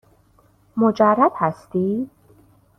مجرد هستی؟